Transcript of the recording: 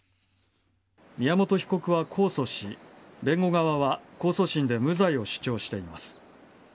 宮本被告は控訴し弁護側は控訴審で無罪を主張しています。